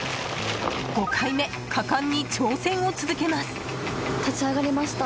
５回目、果敢に挑戦を続けます。